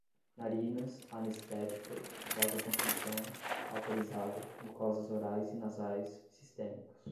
narinas, anestética, vasoconstrição, cauterizada, mucosas orais e nasais, sistêmicos